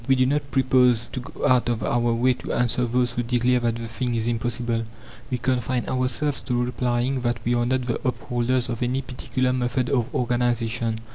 We do not propose to go out of our way to answer those who declare that the thing is impossible. We confine ourselves to replying that we are not the upholders of any particular method of organization.